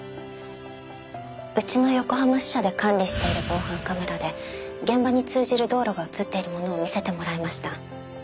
うちの横浜支社で管理している防犯カメラで現場に通じる道路が映っているものを見せてもらいました。